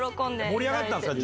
盛り上がったんすか？